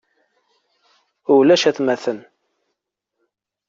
Ulac atmaten.